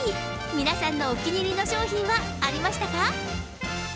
皆さんのお気に入りの商品はありましたか？